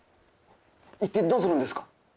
行ってどうするんですか？